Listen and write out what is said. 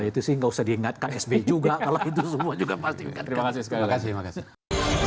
kalau itu sih nggak usah diingatkan sby juga kalau itu semua juga pasti diingatkan